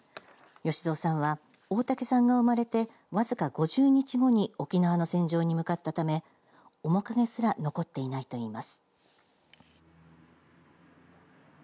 由蔵さんは大竹さんが生まれてわずか５０日後に沖縄の戦場に向かったため面影すら残っていないといいます。